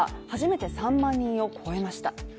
初めて３万人を超えました。